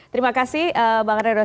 terima kasih bang renwasyadeh